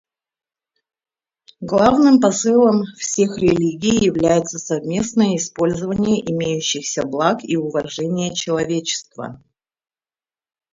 Главным посылом всех религий является совместное использование имеющихся благ и уважение человечества.